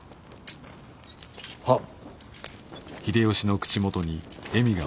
はっ。